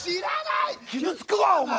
傷つくわお前！